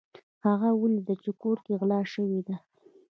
هغه ولیدل چې کور کې غلا شوې ده.